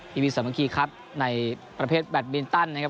ทีวีสามัคคีครับในประเภทแบตมินตันนะครับ